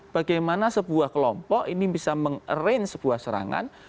bagaimana sebuah kelompok ini bisa meng arrange sebuah serangan